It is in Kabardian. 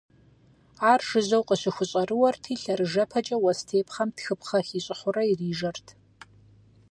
Ар жыжьэу къыщыхущӀэрыуэрти лъэрыжэпэкӀэ уэс тепхъэм тхыпхъэ хищӀыхьурэ ирижэрт.